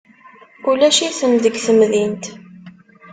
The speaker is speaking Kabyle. Ulac-iten deg temdint.